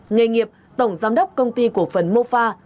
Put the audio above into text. nghề nghiệp tổng giám đốc công ty cổ phần mô pha